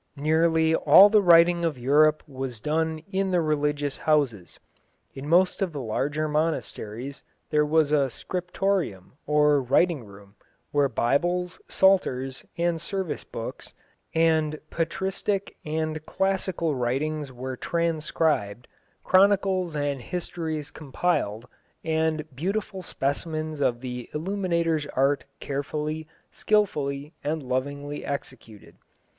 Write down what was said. Nearly all the writing of Europe was done in the religious houses. In most of the larger monasteries there was a scriptorium, or writing room, where Bibles, Psalters, and service books, and patristic and classical writings were transcribed, chronicles and histories compiled, and beautiful specimens of the illuminator's art carefully, skilfully, and lovingly executed.